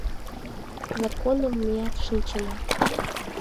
Законым меат шинчена.